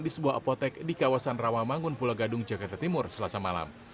di sebuah apotek di kawasan rawamangun pulau gadung jakarta timur selasa malam